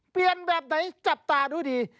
เปลี่ยนแบบไหนจับตาดูดี